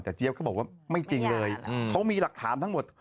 แต่เจี๊ยบเขาบอกว่าไม่จริงเลยเขามีหลักฐานทั้งหมด